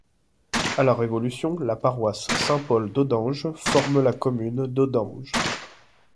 À la Révolution, la paroisse Saint-Paul d'Audenge forme la commune d'Audenge.